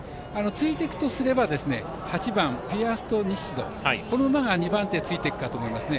ついていくとすれば８番ビーアストニッシドこの馬が２番手についていくかと思いますね。